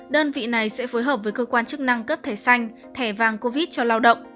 đơn vị này sẽ phối hợp với cơ quan chức năng cấp thẻ xanh thẻ vàng covid cho lao động